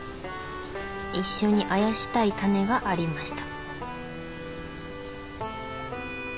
一緒にあやしたいタネがありました。